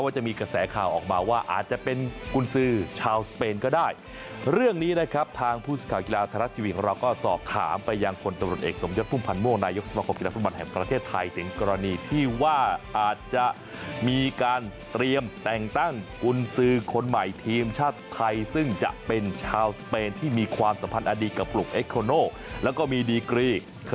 ชาวสเปนก็ได้เรื่องนี้นะครับทางพูดข่าวกีฬาธรรมชีวิตของเราก็สอบถามไปยังคนตำรวจเอกสมยดภูมิพันธ์ม่วงนายกสมครบกีฬาสมบัติแห่งประเทศไทยถึงกรณีที่ว่าอาจจะมีการเตรียมแต่งตั้งกุญสือคนใหม่ทีมชาติไทซึ่งจะเป็นชาวสเปนที่มีความสัมพันธ์อดีตกับปลุกเอคโคโนแล้วก็มีดีก